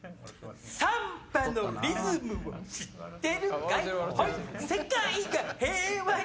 サンバのリズムを知ってるかいホイ